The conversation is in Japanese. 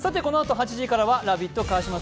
このあと８時から「ラヴィット！」